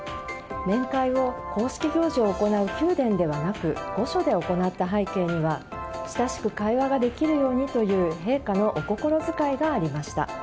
面会を公式行事を行う宮殿ではなく御所で行った背景には親しく会話ができるようにという陛下のお心遣いがありました。